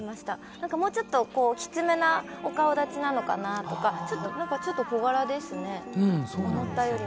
なんかもうちょっときつめなお顔だちなのかなぁとかなんかちょっと小柄ですね思ったよりも。